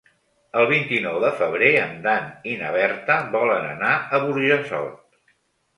El vint-i-nou de febrer en Dan i na Berta volen anar a Burjassot.